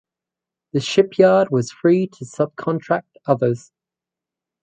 The shipyard was free to subcontract others.